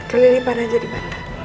kali ini parah jadi mata